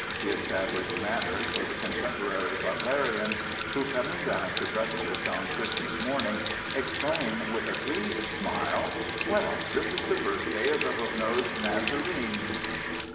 He established manners for the contemporary Butlerian who, coming down to breakfast on Christmas morning, exclaims with a pleased smile, "Well, this is the birthday of the hook nosed Nazarene!"